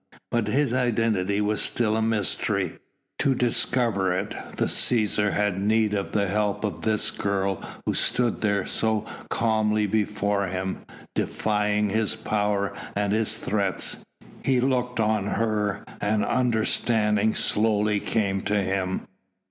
But his identity was still a mystery. To discover it, the Cæsar had need of the help of this girl who stood there so calmly before him, defying his power and his threats. He looked on her and understanding slowly came to him